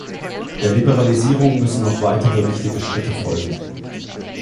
Der Liberalisierung müssen noch weitere wichtige Schritte folgen.